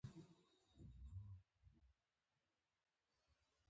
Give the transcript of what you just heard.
مالټه د خوند او ګټې ترکیب دی.